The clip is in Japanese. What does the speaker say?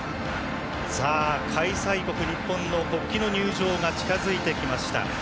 開催国、日本の国旗の入場が近づいてきました。